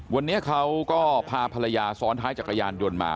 วันนี้เขาก็พาภรรยาซ้อนท้ายจักรยานยนต์มา